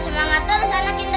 semangat terus anak indonesia